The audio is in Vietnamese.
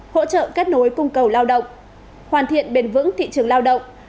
hỗ trợ kết nối cung cầu lao động hoàn thiện bền vững thị trường lao động